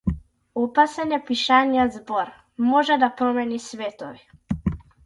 Опасен е пишаниот збор - може да промени светови.